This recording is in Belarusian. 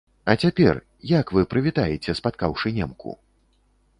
А цяпер, як вы прывітаеце, спаткаўшы немку?